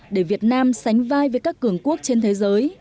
để việt nam sánh vai với các cường quốc trên thế giới